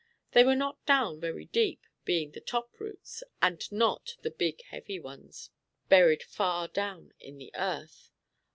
They were not down very deep, being the top roots, and not the big heavy ones, buried far down in the earth.